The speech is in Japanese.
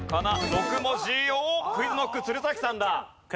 ６文字おっＱｕｉｚＫｎｏｃｋ鶴崎さんだ！